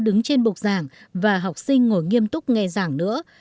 kiểu lớp học truyền thống nơi cô giáo đứng trên bục giảng và học sinh ngồi nghiêm túc nghe giảng nữa